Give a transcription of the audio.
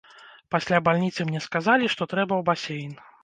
Пасля бальніцы мне сказалі, што трэба ў басейн.